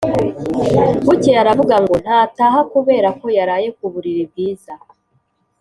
bukeye aravuga ngo ntataha kubera ko yaraye ku buriri bwiza,